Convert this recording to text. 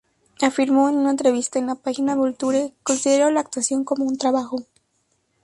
Afirmó en una entrevista en la página "Vulture": "Considero la actuación como un trabajo.